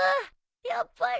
やっぱり。